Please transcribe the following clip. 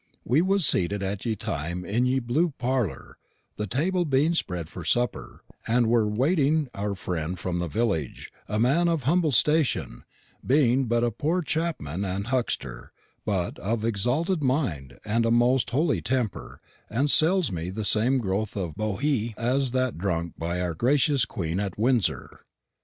We was seated at ye time in ye blue parlour, the table being spread for supper, and were awaiting our friend from the village, a man of humble station, being but a poor chapman and huckster, but of exalted mind and a most holy temper, and sells me the same growth of Bohea as that drunk by our gracious queen at Windsor.